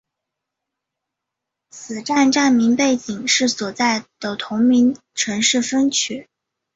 此站站名背景是所在的同名城市分区。